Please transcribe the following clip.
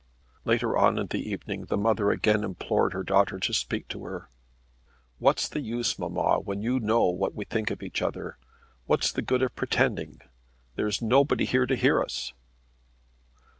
Later on in the evening, the mother again implored her daughter to speak to her. "What's the use, mamma, when you know what we think of each other? What's the good of pretending? There is nobody here to hear us."